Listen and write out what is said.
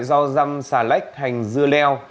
do răm xà lách hành dưa leo